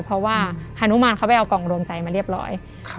เพราะว่าฮานุมานเขาไปเอากล่องรวมใจมาเรียบร้อย